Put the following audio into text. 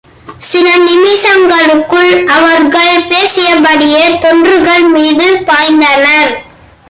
சில நிமிஷங்களுக்குள் அவர்கள் பேசியபடியே தொண்ர்கள் மீது பாய்ந்தனர்.